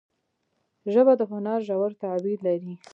ژبه د هنر ژور تعبیر لري